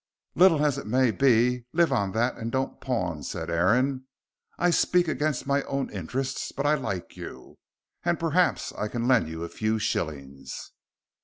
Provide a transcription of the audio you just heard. "Little as it may be, live on that and don't pawn," said Aaron. "I speak against my own interests, but I like you, and perhaps I can lend you a few shillings."